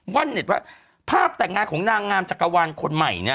่อนเน็ตว่าภาพแต่งงานของนางงามจักรวาลคนใหม่เนี่ย